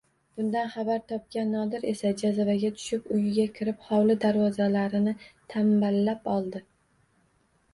Bundan xabar topgan Nodir esa jazavaga tushib uyiga kirib, hovli darvozalarini tamballab oldi